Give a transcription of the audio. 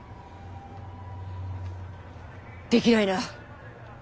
できないな。